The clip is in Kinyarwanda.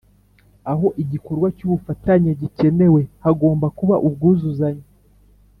aho igikorwa cy ubufatanye gikenewe hagomba kuba ubwuzuzanye